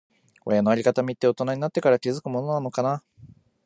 親のありがたみって、大人になってから気づくものなのかな。